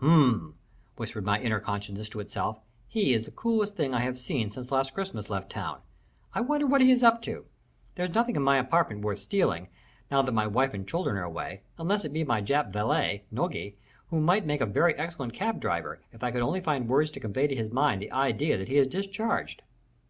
"Humph!" whispered my inner consciousness to itself. "He is the coolest thing I've seen since last Christmas left town. I wonder what he is up to? There's nothing in my apartment worth stealing, now that my wife and children are away, unless it be my Jap valet, Nogi, who might make a very excellent cab driver if I could only find words to convey to his mind the idea that he is discharged."